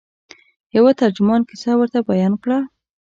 یوه ترجمان کیسه ورته بیان کړه.